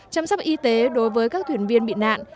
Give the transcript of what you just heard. chăm sóc y tế đối với các thuyền viên bị nạn